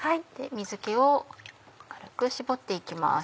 水気を軽く絞って行きます。